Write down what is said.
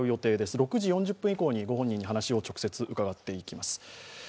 ８時４０分以降にご本人に直接話を伺っていきます。